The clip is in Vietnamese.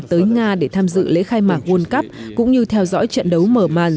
tới nga để tham dự lễ khai mạc world cup cũng như theo dõi trận đấu mở màn